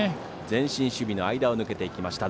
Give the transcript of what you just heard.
前進守備の間を抜けていきました。